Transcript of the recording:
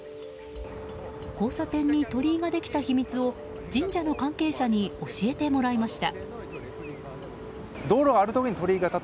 交差点に鳥居ができた秘密を神社の関係者に教えてもらいました。